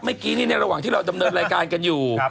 เมื่อกี้นี่ในระหว่างที่เราดำเนินรายการกันอยู่